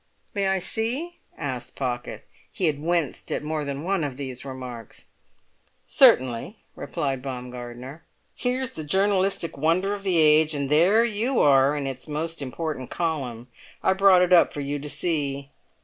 "May I see?" asked Pocket; he had winced at more than one of these remarks. "Certainly," replied Baumgartner; "here's the journalistic wonder of the age, and there you are in its most important column. I brought it up for you to see."